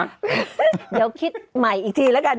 เดี๋ยวคิดใหม่อีกทีแล้วกัน